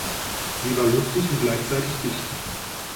Sie war luftig und gleichzeitig dicht.